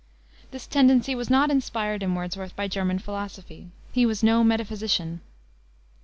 This tendency was not inspired in Wordsworth by German philosophy. He was no metaphysician.